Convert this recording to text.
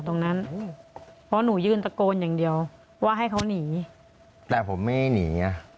ตรงนั้นเพราะหนูยืนตะโกนอย่างเดียวว่าให้เขาหนีแต่ผมไม่หนีอ่ะ